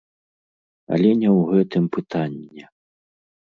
Але не ў гэтым пытанне.